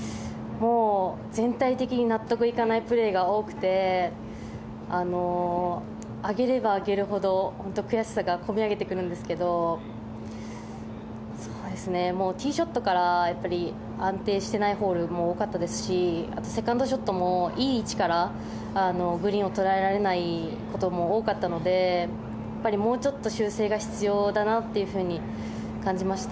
全体的に納得いかないプレーが多くて上げれば上げるほど悔しさが込み上げてくるんですけどもティーショットから安定していないホールが多かったですしセカンドショットもいい位置からグリーンを捉えられないことも多かったのでもうちょっと修正が必要だなと感じました。